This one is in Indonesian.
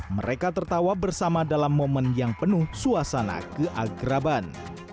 mereka tertawa bersama dalam momen yang penuh suasana keagraban